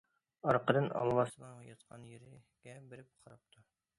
ئارقىدىن ئالۋاستىنىڭ ياتقان يېرىگە بېرىپ قاراپتۇ.